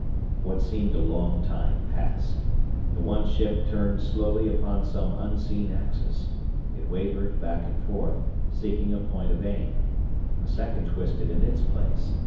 What seemed a long time passed. The one ship turned slowly upon some unseen axis. It wavered back and forth, seeking a point of aim. A second twisted in its place.